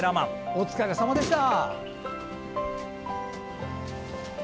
お疲れさまでした！